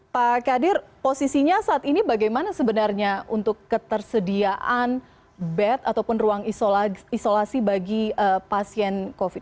pak kadir posisinya saat ini bagaimana sebenarnya untuk ketersediaan bed ataupun ruang isolasi bagi pasien covid